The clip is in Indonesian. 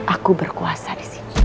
aku berkuasa disini